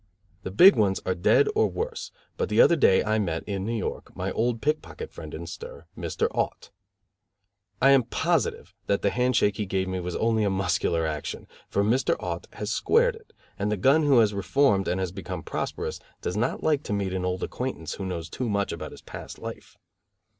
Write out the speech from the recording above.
The big ones are dead or worse, but the other day I met, in New York, my old pickpocket friend in stir, Mr. Aut. I am positive that the hand shake he gave me was only a muscular action, for Mr. Aut has "squared it", and the gun who has reformed and has become prosperous does not like to meet an old acquaintance, who knows too much about his past life.